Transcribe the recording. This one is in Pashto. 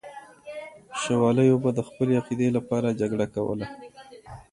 شوالیو به د خپلې عقیدې لپاره جګړه کوله.